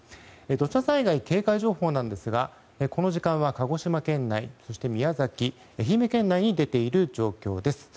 土砂災害警戒情報なんですがこの時間は鹿児島県内そして宮崎、愛媛県内に出ている状況です。